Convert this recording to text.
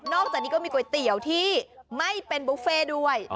อกจากนี้ก็มีก๋วยเตี๋ยวที่ไม่เป็นบุฟเฟ่ด้วย